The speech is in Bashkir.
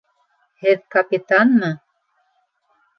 Һеҙ капитанмы?